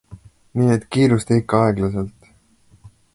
Nii et kiirusta ikka aeglaselt!